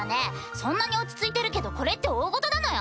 そんなに落ち着いてるけどこれって大ごとなのよ？